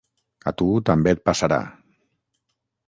A tu, també et passarà!